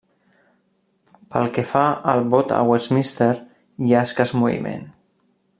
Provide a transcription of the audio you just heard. Pel que fa al vot a Westminster, hi ha escàs moviment.